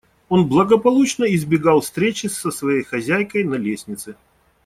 Он благополучно избегал встречи с своей хозяйкой на лестнице.